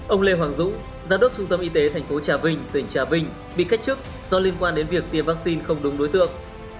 ông lê hoàng dũng giám đốc trung tâm y tế tp trà vinh tỉnh trà vinh bị cách chức do liên quan đến việc tiêm vaccine không đúng đối tượng